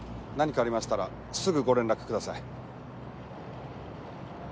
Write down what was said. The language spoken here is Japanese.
何かありましたらすぐご連絡ください。